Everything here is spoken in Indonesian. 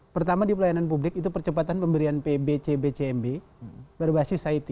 pertama di pelayanan publik itu percepatan pemberian pbc bcmb berbasis it